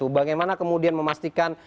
bagaimana kemudian memastikan